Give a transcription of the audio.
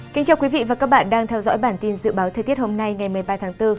cảm ơn các bạn đã theo dõi và ủng hộ cho bản tin dự báo thời tiết hôm nay ngày một mươi ba tháng bốn